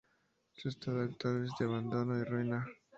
Su estado actual es de abandono y ruina.